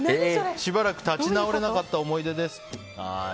しばらく立ち直れなかった思い出です。